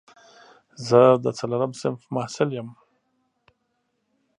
زه د څلورم صنف محصل یم